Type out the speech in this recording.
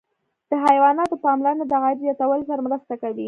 د حیواناتو پاملرنه د عاید زیاتوالي سره مرسته کوي.